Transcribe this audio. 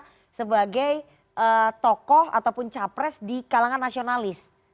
untuk menjaga citra sebagai tokoh ataupun capres di kalangan nasionalis